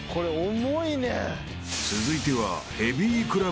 ［続いては］